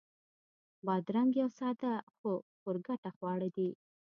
بادرنګ یو ساده خو پُرګټه خواړه دي.